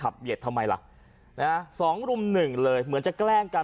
เบียดทำไมล่ะนะฮะสองรุ่มหนึ่งเลยเหมือนจะแกล้งกัน